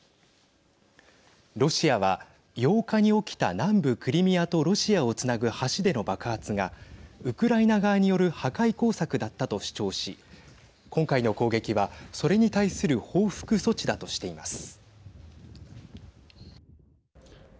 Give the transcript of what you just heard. ロシアは８日に起きた南部クリミアとロシアをつなぐ橋での爆発がウクライナ側による破壊工作だったと主張し今回の攻撃は、それに対する報復措置だとしています。